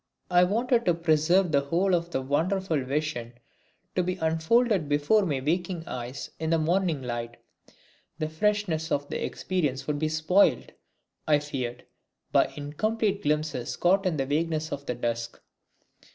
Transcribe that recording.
I wanted to preserve the whole of the wonderful vision to be unfolded before my waking eyes in the morning light. The freshness of the experience would be spoilt, I feared, by incomplete glimpses caught in the vagueness of the dusk.